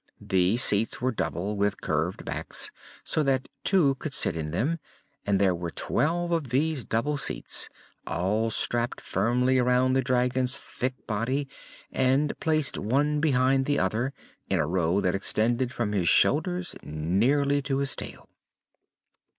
These seats were double, with curved backs, so that two could sit in them, and there were twelve of these double seats, all strapped firmly around the dragon's thick body and placed one behind the other, in a row that extended from his shoulders nearly to his tail.